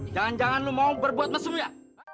jangan jangan lo mau berbuat mesum ya